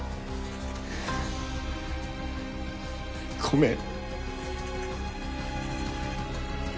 ごめん！